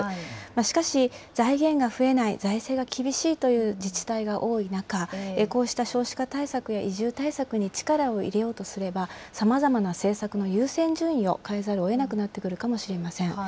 しかし、財源が増えない、財政が厳しいという自治体が多い中、こうした少子化対策や移住対策に力を入れようとすれば、さまざまな政策の優先順位を変えざるをえなくなってくるかもしれません。